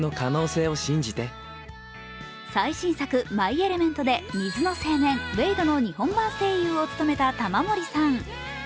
最新作「マイ・エレメント」で水の青年、ウェイドの日本版声優を務めた玉森さん。